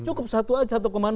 cukup satu aja satu komando